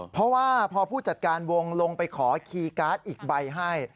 เพราะว่าพอผู้จัดการวงลงไปขอคีย์การ์ดอีกใบให้